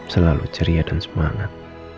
selalu ceria dan semangat